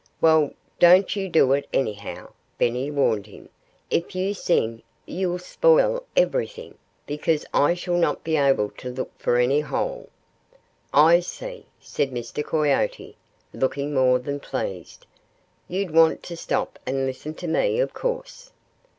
"Well don't you do it, anyhow," Benny warned him. "If you sing, you'll spoil everything, because I shall not be able to look for any hole." "I see," said Mr. Coyote, looking more than pleased. "You'd want to stop and listen to me, of course."